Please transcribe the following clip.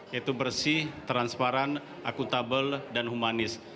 yaitu bersih transparan akuntabel dan humanis